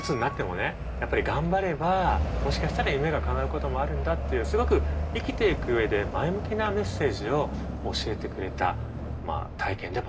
やっぱり頑張ればもしかしたら夢がかなうこともあるんだっていうすごく生きていく上で前向きなメッセージを教えてくれた体験でもあるんですよね。